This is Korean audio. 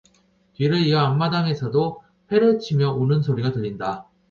뒤를 이어 안마당에서도 홰를 치며 우는 소리가 들린다.